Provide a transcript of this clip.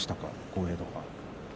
豪栄道は。